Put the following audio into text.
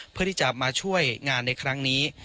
เพื่อที่จะมาช่วยงานในครั้งนี้